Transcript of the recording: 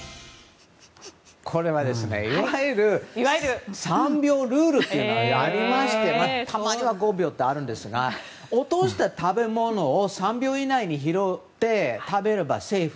これはいわゆる３秒ルールというのをやりましてたまには５秒ってあるんですが落とした食べ物を３秒以内に拾って食べればセーフ。